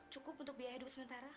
cukup untuk biaya hidup sementara